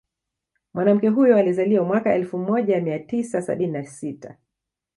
Mwanamke huyo alizaliwa mwaka elfu moja mia tisa sabini na sita